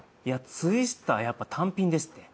ツイスターやっぱ単品ですって。